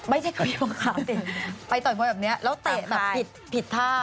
ไม่ใช่กับพี่บัวขาวไปต่อยมวยแบบนี้แล้วเตะแบบผิดท่า